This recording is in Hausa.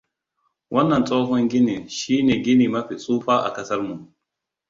Wannan tsohon ginin shi ne gini mafi tsufa a ƙasar mu.